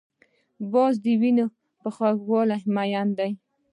باز د وینو په خوږوالي مین دی